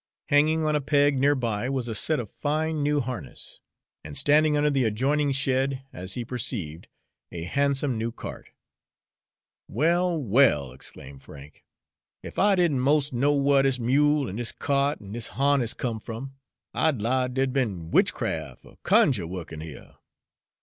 Hanging on a peg near by was a set of fine new harness, and standing under the adjoining shed, as he perceived, a handsome new cart. "Well, well!" exclaimed Frank; "ef I did n' mos' know whar dis mule, an' dis kyart, an' dis harness come from, I'd 'low dere 'd be'n witcheraf' er cunjin' wukkin' here.